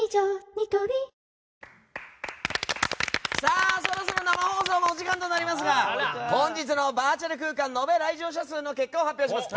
ニトリそろそろ生放送もお時間となりますが本日のバーチャル空間の延べ来場者数を発表します。